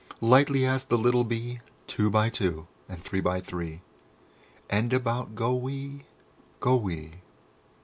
Lightly as the little bee, Two by two and three by three, And about goe wee, goe wee."